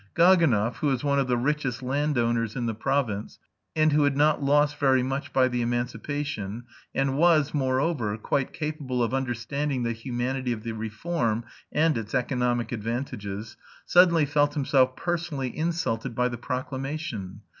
Gaganov, who was one of the richest landowners in the province, and who had not lost very much by the emancipation, and was, moreover, quite capable of understanding the humanity of the reform and its economic advantages, suddenly felt himself personally insulted by the proclamation.